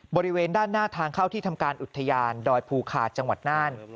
บริเวณด้านหน้าทางเข้าที่ทำการอุทยานดอยภูคาจังหวัดน่าน